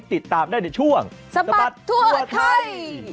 ติดตามได้ในช่วงสบัดทั่วไทย